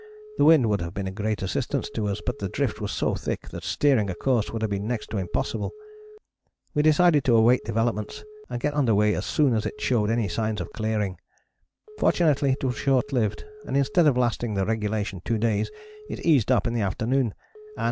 The wind would have been of great assistance to us, but the drift was so thick that steering a course would have been next to impossible. We decided to await developments and get under weigh as soon as it showed any signs of clearing. Fortunately it was shortlived, and instead of lasting the regulation two days it eased up in the afternoon, and 3.